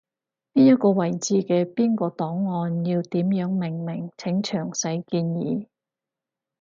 邊一個位置嘅邊個檔案要點樣命名，請詳細建議